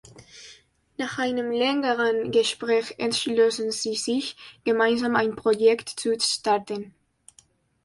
Nach einem längeren Gespräch entschlossen sie sich, gemeinsam ein Projekt zu starten.